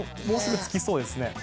もうすぐつきそうですね。